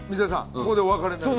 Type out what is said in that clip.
ここでお別れになります。